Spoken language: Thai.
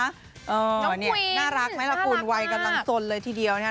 นี่น่ารักไหมล่ะคุณวัยกำลังสนเลยทีเดียวนะฮะ